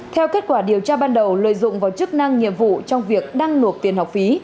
theo kết quả điều tra ban đầu lợi dụng vào chức năng nhiệm vụ trong việc đăng nộp tiền học phí